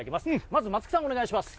まず松木さん、お願いします。